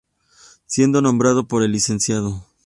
Siendo nombrado por el Lic.